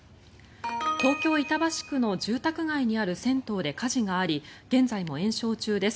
東京・板橋区の住宅街にある銭湯で火事があり現在も延焼中です。